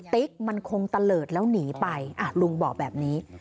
ติ๊กมันคงตะเลิศแล้วหนีไปลุงบอกแบบนี้